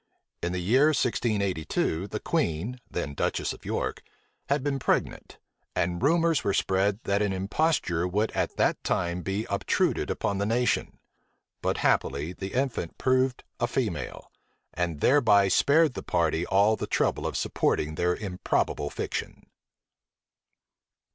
In the year 1682, the queen, then duchess of York, had been pregnant; and rumors were spread that an imposture would at that time be obtruded upon the nation: but happily, the infant proved a female, and thereby spared the party all the trouble of supporting their improbable fiction.